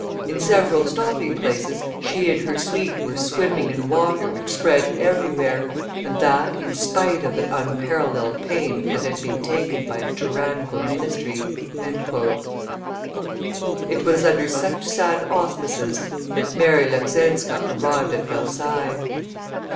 In several stopping places she and her suite were swimming in water which spread everywhere, and that in spite of the unparalleled pains that had been taken by a tyrannical ministry." It was under such sad auspices that Mary Leckzinska arrived at Versailles.